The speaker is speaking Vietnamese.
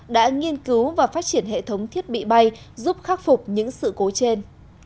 đã nghiên cứu và phát triển hệ thống thiết bị bay giúp khắc phục những sự cố trên